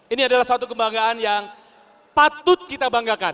ini adalah suatu kebanggaan yang patut kita banggakan